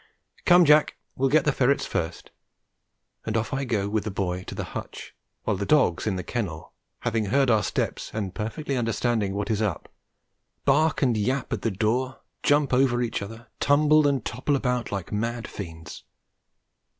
Come, Jack, we'll get the ferrets first; and off I go with the boy to the hutch, while the dogs in the kennel, having heard our steps and perfectly understanding what is up, bark and yap at the door, jump over each other, tumble and topple about like mad fiends.